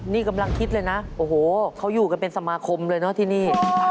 นี่กำลังคิดเลยนะโอ้โหเขาอยู่กันเป็นสมาคมเลยเนอะที่นี่